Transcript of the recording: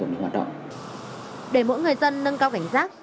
để mỗi người dân nâng cao cảnh giác